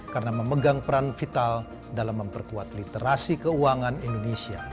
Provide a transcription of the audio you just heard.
karena memegang peran vital dalam memperkuat literasi keuangan indonesia